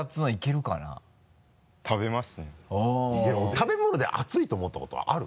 食べ物で熱いと思ったことはある？